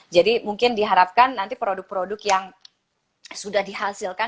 jadi mungkin diharapkan nanti produk produk yang sudah dihasilkan